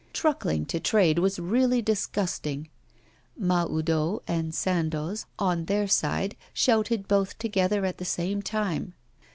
Truckling to trade was really disgusting. Mahoudeau and Sandoz, on their side, shouted both together at the same time.